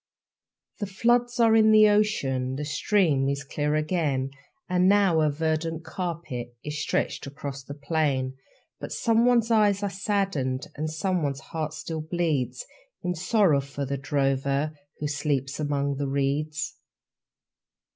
. The floods are in the ocean, The stream is clear again, And now a verdant carpet Is stretched across the plain. But someone's eyes are saddened, And someone's heart still bleeds In sorrow for the drover Who sleeps among the reeds.